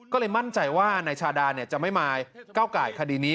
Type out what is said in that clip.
ก็เลยมั่นใจว่านายชาดาจะไม่มาก้าวไก่คดีนี้